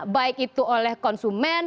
baik itu oleh konsumen